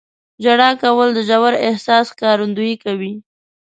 • ژړا کول د ژور احساس ښکارندویي کوي.